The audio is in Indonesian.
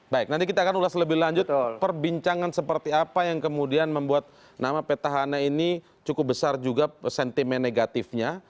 baik nanti kita akan ulas lebih lanjut perbincangan seperti apa yang kemudian membuat nama petahana ini cukup besar juga sentimen negatifnya